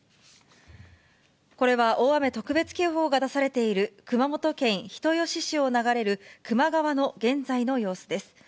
これは大雨特別警報が出されている熊本県人吉市を流れる球磨川の現在の様子です。